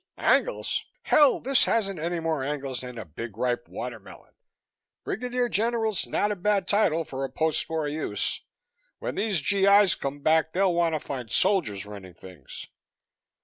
"Angles? Hell! This hasn't any more angles than a big ripe watermelon. Brigadier General's not a bad title for a post war use. When these G.I.'s come back they'll want to find soldiers running things.